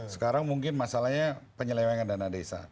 sekarang mungkin masalahnya penyelewengan dana desa